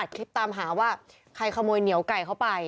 คลิปตามหาว่าใครขโมยเหนียวไก่เข้าไป